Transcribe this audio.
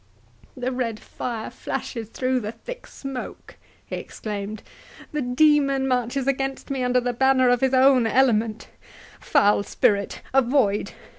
—"The red fire flashes through the thick smoke!" he exclaimed; "the demon marches against me under the banner of his own element—Foul spirit, avoid!